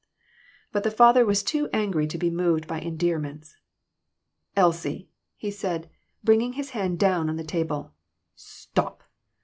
But the father was too angry to be moved by endearments. "Elsie," he said, bringing his hand down on the table, " stop